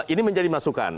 ini menjadi masukan